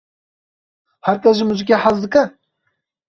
Her kes ji muzîkê hez dike?